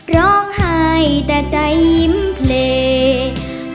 ร้องไห้แต่ใจยิ้มเพลง